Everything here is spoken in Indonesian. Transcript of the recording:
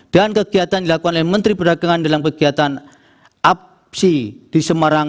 dan kegiatan dilakukan oleh menteri peragangan dalam kegiatan apsi di semarang